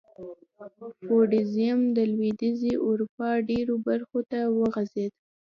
فیوډالېزم د لوېدیځې اروپا ډېرو برخو ته وغځېد.